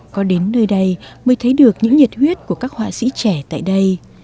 có đến nơi đây mới thấy được những nhiệt huyết của các họa sĩ trẻ tại đây